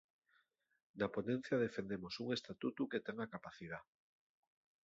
Na ponencia defendemos un Estatutu que tenga capacidá.